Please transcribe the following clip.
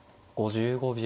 ５５秒。